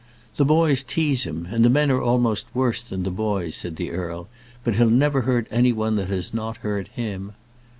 "The boys tease him, and the men are almost worse than the boys," said the earl; "but he'll never hurt any one that has not hurt him."